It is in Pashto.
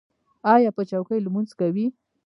ایا په چوکۍ لمونځ کوئ؟